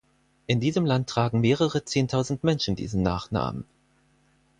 In diesem Land tragen mehrere zehntausend Menschen diesen Nachnamen.